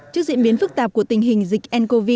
trước diễn biến phức tạp của tình hình dịch ncov